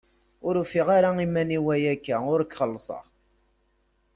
Ur ufiɣ ara iman-iw ayakka ur k-xellṣeɣ.